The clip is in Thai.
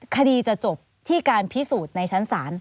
คดีจะจบที่การพิสูจน์ในชั้นศาล